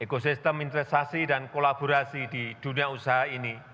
eko sistem investasi dan kolaborasi di dunia usaha ini